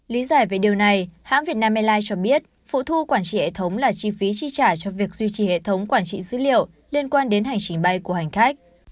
lý giải về điều này hãng việt nam airlines cho biết phụ thu quản trị hệ thống là chi phí chi trả cho việc duy trì hệ thống quản trị dữ liệu liên quan đến hành trình bay của hành khách